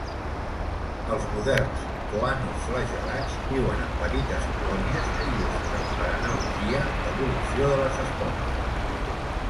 Els moderns coanoflagel·lats viuen en petites colònies que il·lustren, per analogia, l'evolució de les esponges.